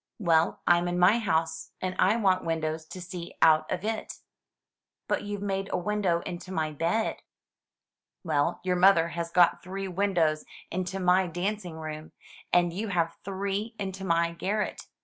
Well, I'm in my house, and I want windows to see out of it." "But you've made a window into my bed." "Well, your mother has got three windows into my danc ing room, and you have three into my garret.